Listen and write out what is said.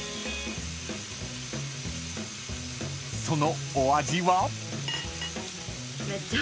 ［そのお味は？］